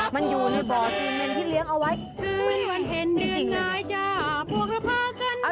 มันอยู่ในบ่อเมืองที่เลี้ยงเอาไว้